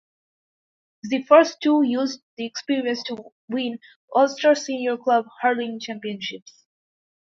The first two used the experience to win Ulster Senior Club Hurling Championships.